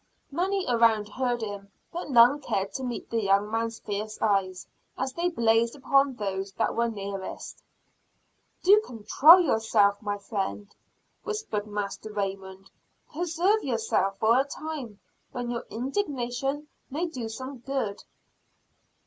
Many around heard him, but none cared to meet the young man's fierce eyes, as they blazed upon those that were nearest. "Do control yourself, my friend," whispered Master Raymond. "Preserve yourself for a time when your indignation may do some good."